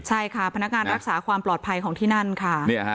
ใช่ค่ะพนักงานรักษาความปลอดภัยของที่นั่นค่ะ